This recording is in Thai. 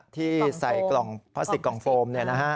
ที่ใส่กล่องพลาสติกกล่องโฟม